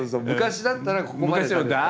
昔だったらここまで。